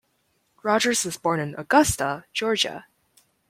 Rogers was born in Augusta, Georgia.